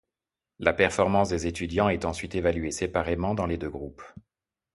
La performance des étudiants est ensuite évaluée séparément dans les deux groupes.